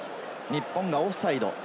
日本がオフサイド。